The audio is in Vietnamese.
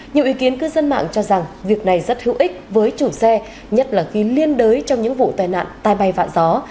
nhiều ý kiến cư dân mạng cho rằng việc này rất hữu ích với chủ xe nhất là khi liên đới trong những vụ tai nạn tai bay vạn gió